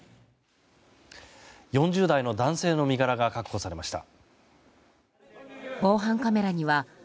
４０代の男性の身柄が確保されました。